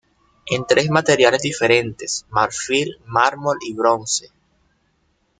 En tres materiales diferentes, marfil, mármol y bronce.